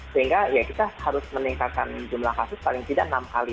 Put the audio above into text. sehingga ya kita harus meningkatkan jumlah kasus paling tidak enam kali